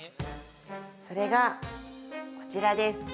それが、こちらです。